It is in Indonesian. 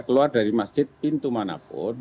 keluar dari masjid pintu manapun